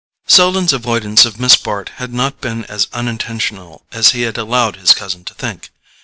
Selden's avoidance of Miss Bart had not been as unintentional as he had allowed his cousin to think.